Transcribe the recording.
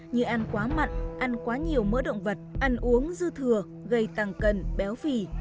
như ăn quá mặn ăn quá nhiều mỡ động vật ăn uống dư thừa gây tăng cân béo phì